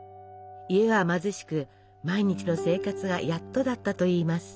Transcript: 家は貧しく毎日の生活がやっとだったといいます。